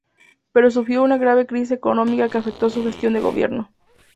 Pero sufrió una grave crisis económica que afecto su gestión de gobierno.